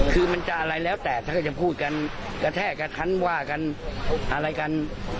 คือมันจะอะไรแล้วแต่ถ้าก็จะพูดกันกระแทกกับคันว่ากันอะไรกัน